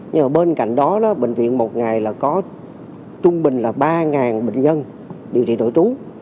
nhưng bên cạnh đó bệnh viện một ngày có trung bình ba bệnh nhân điều trị nội trú